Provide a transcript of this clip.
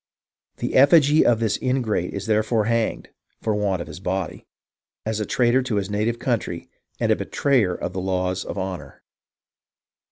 "The effigy of this ingrate is therefore hanged (for want of his body) as a traitor to his native country and a betrayer of the laws of honour.